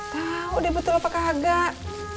tau deh betul apa kagak